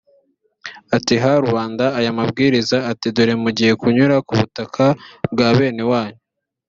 ati ha rubanda aya mabwiriza, uti dore mugiye kunyura ku butaka bwa bene wanyu